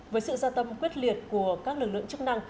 với sự gia tâm quyết liệt của các lực lượng chức năng